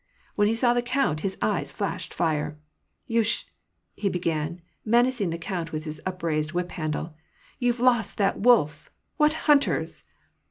When he saw the count, his eyes flashed fire. '< You sh "— he began, menacing the count with his upraised whip handle. *^ You've lost that wolf ! What hunters